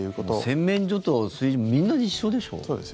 洗面所と炊事みんな一緒でしょう。